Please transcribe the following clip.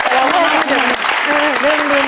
ยังไงจะมาตรงนี้